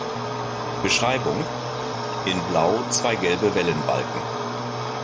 Beschreibung: In Blau zwei gelbe Wellenbalken.